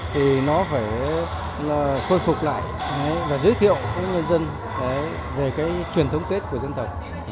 thì nó phải khôi phục lại và giới thiệu với nhân dân về cái truyền thống tết của dân tộc